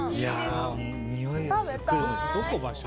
どこ場所？